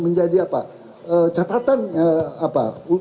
menjadi apa catatan apa